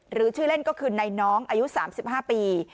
หรือชื่อเล่นก็คือในน้องอายุ๓๕ปี